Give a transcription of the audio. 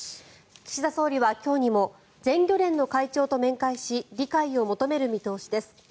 岸田総理は今日にも全漁連の会長と面会し理解を求める見通しです。